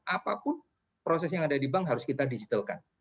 apapun proses yang ada di bank harus kita digitalkan